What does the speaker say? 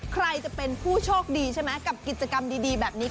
ใครจะเป็นผู้โชคดีใช่ไหมกับกิจกรรมดีแบบนี้